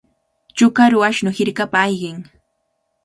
Chukaru ashnu hirkapa ayqin.